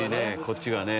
こっちがね。